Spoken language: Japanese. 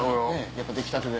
やっぱ出来たてで。